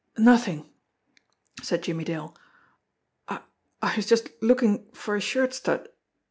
"Nothing," said Jimmie Dale. "I I was just looking fo* a shirt stud.